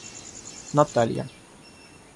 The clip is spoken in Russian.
Наталья